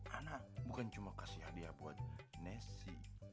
ana bukan cuma kasih hadiah buat nessy